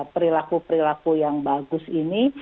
perilaku perilaku yang bagus ini